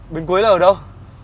bên cuối là ở đâu